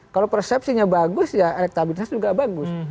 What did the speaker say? kalau persepsinya bagus ya elektabilitas juga bagus